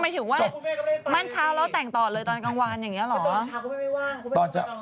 อ๋อหมายถึงว่า